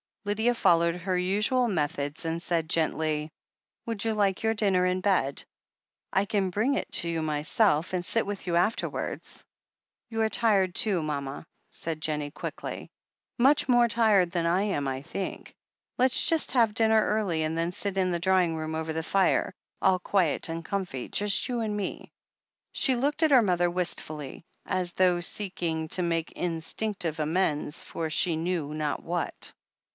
Lydia followed her usual methods and said gently : "Would you like your dinner in bed? I can bring it up to you myself, and sit with you afterwards." "You're tired too, mama," said Jennie quickly. "Much more tired than I am, / think. Let's just have dinner early and then sit in the drawing room over the fire, all quiet and comfy, just you and me." She looked at her mother wistfully, as though seek ing to make instinctive amends for she knew not what.